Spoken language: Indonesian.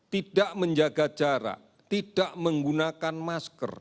tidak menjaga jarak tidak menggunakan masker